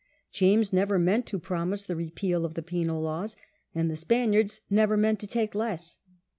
James never meant to promise the repeal of the Penal laws, and the Spaniards never meant to take less.